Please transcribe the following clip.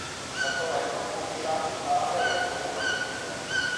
La sorella scoprirà che sarà lei a doverla uccidere.